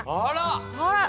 あら！